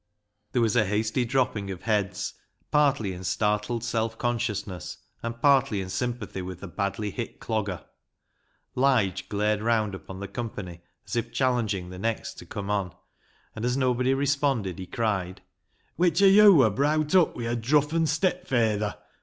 There was a hasty dropping of heads, partly in startled self consciousness, and partly in sympathy with the badly hit Clogger. Lige glared round upon the company, as rf challenging the next to come on, and as nobody responded, he cried —" Which o' yo' wur browt up wi' a druffen [drunken] step fayther